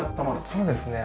そうですね。